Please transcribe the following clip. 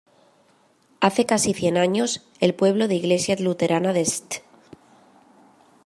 Hace casi cien años, el pueblo de Iglesia Luterana de St.